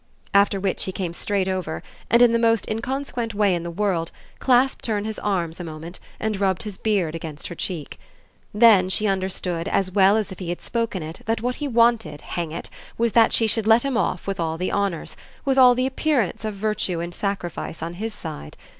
After which he came straight over and, in the most inconsequent way in the world, clasped her in his arms a moment and rubbed his beard against her cheek. Then she understood as well as if he had spoken it that what he wanted, hang it, was that she should let him off with all the honours with all the appearance of virtue and sacrifice on his side.